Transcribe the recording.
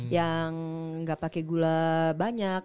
yang nggak pakai gula banyak